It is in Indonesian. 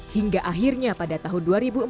hingga akhirnya pada tahun dua ribu empat